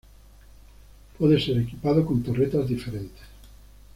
Puede ser equipado con torretas diferentes.